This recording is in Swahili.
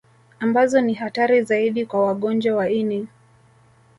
Ambazo ni hatari zaidi kwa wagonjwa wa ini